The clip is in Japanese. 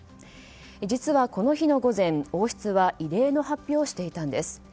実はこの日の午前、王室は異例の発表をしていたんです。